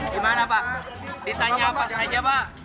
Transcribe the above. gimana pak ditanya apa saja pak